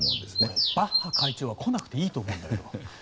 俺、バッハ会長は来なくていいと思うんだけど。